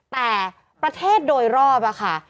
แต่ประเทศโดยรอบค่ะ